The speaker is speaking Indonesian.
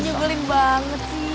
nyugeling banget sih